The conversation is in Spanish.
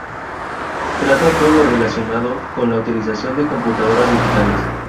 Trata todo lo relacionado con la utilización de computadoras digitales.